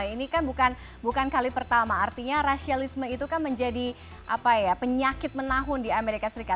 ini kan bukan kali pertama artinya rasialisme itu kan menjadi penyakit menahun di amerika serikat